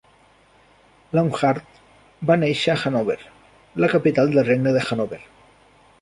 Launhardt va néixer a Hannover, la capital del Regne de Hanover.